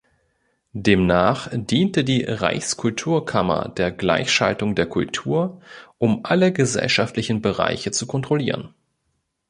Demnach diente die Reichskulturkammer der Gleichschaltung der Kultur, um alle gesellschaftlichen Bereiche zu kontrollieren.